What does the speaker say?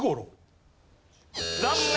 残念！